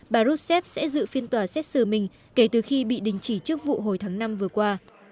bà russev sẽ dự phiên tòa xét xử mình kể từ khi bị đình chỉ chức vụ hồi tháng năm vừa qua